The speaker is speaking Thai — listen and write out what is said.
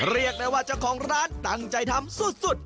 เรียกได้ว่าเจ้าของร้านตั้งใจทำสุด